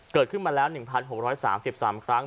เกิดขึ้นมาแล้ว๑๖๓๓ครั้ง